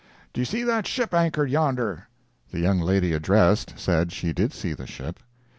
"Do you see that ship anchored yonder?" The young lady addressed said she did see the ship.